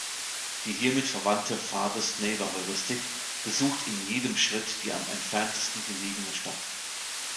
Die hiermit verwandte "Farthest-Neighbor-Heuristik" besucht in jedem Schritt die am entferntesten gelegene Stadt.